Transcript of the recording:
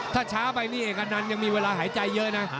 ถ้าช้าไปนี่เอกอนันต์ยังมีเวลาหายใจเยอะนะ